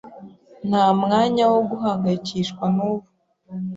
Nta mwanya wo guhangayikishwa nubu.